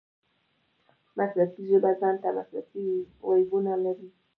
مسلکي ژبه ځان ته مسلکي وییونه لري.